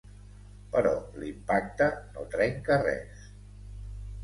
Però l'impacte no trenca res.